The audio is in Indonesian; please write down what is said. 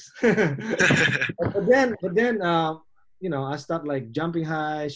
tapi kemudian saya mulai berlari menembak tiga poin